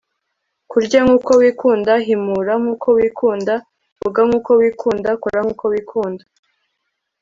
kurya nkuko wikunda. himura nkuko wikunda. vuga nkuko wikunda. kora nk'uko wikunda